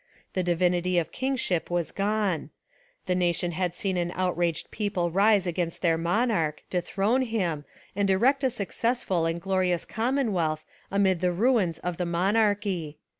The divinity of kingship was gone. The nation had seen an outraged people rise against their monarch, dethrone him, and erect a successful and glorious commonwealth amid the ruins of the monarchy.